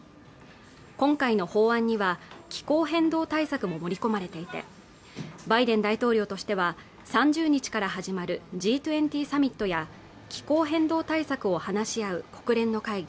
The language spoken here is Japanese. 今回の法案には気候変動対策も盛り込まれていてバイデン大統領としては３０日から始まるＧ２０サミットや気候変動対策を話し合う国連の会議